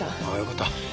ああよかった。